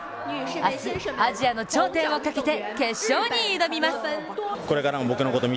明日、アジアの頂点をかけて決勝に挑みます。